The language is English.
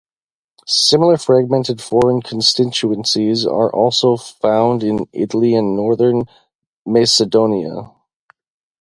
Similar "fragmented" foreign constituencies are also found in Italy and Northern Macedonia.